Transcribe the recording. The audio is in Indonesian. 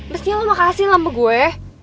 mesti lo makasih lah sama gue